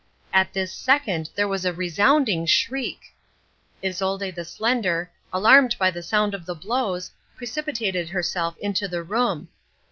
At this second there was a resounding shriek. Isolde the Slender, alarmed by the sound of the blows, precipitated herself into the room.